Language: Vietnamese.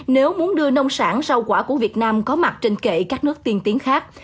nếu muốn đưa nông sản rau quả của việt nam có mặt trên kệ các nước tiên tiến khác